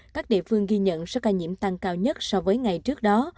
các địa phương ghi nhận số ca nhiễm tăng cao nhất so với ngày trước đó